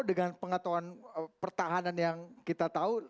dengan pengetahuan pertahanan yang kita tahu